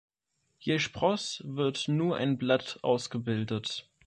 Je Spross wird nu ein Blatt ausgebildet.